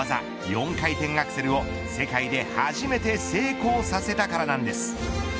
４回転アクセルを、世界で初めて成功させたからなんです。